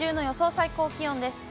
最高気温です。